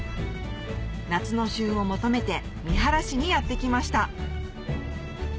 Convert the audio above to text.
夏の旬を求めて三原市にやって来ました